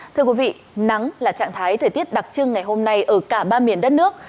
thưa quý vị nắng là trạng thái thời tiết đặc trưng ngày hôm nay ở cả ba miền đất nước